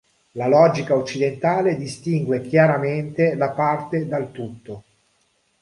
La logica occidentale distingue chiaramente la parte dal tutto.